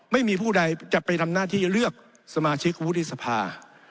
ไม่มีผู้ใดจะไปทำหน้าที่เลือกสมาชิกวุฒิสภา